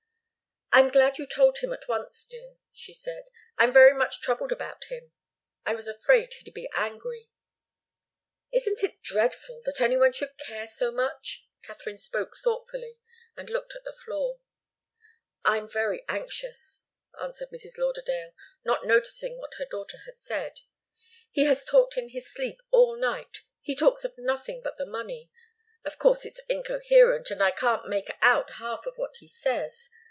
"I'm glad you told him at once, dear," she said. "I'm very much troubled about him. I was afraid he'd be angry." "Isn't it dreadful that any one should care so much?" Katharine spoke thoughtfully, and looked at the floor. "I'm very anxious," answered Mrs. Lauderdale, not noticing what her daughter had said. "He has talked in his sleep all night. He talks of nothing but the money. Of course, it's incoherent, and I can't make out half of what he says.